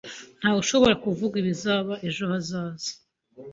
Ntawushobora kuvuga ibizaba ejo hazaza